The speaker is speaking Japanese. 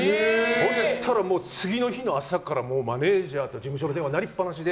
そうしたら、次の日の朝からもうマネジャーと事務所の電話鳴りっぱなしで。